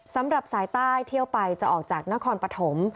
สำหรับสายใต้เที่ยวไปจะออกจากนครปฐม